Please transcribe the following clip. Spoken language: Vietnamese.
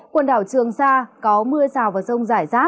quần đảo trường sa có mưa rào và rông rải rác